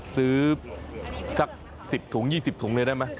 ซื้อสักสิบถุงยี่สิบถุงเลยได้มั้ย